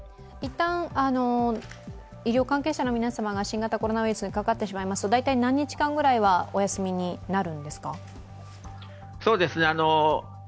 一旦医療関係者の皆様が新型コロナウイルスにかかってしまいますと大体何日間お休みになるんですか。